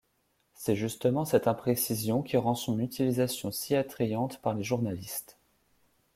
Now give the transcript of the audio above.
C'est justement cette imprécision qui rend son utilisation si attrayante par les journalistes.